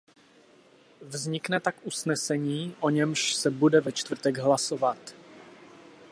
Vznikne tak usnesení, o němž se bude ve čtvrtek hlasovat.